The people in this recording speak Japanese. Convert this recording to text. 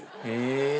へえ。